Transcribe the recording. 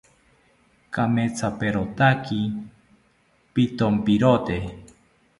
Kamethaperotaki pithonpirote